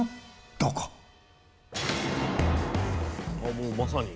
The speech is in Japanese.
もうまさに。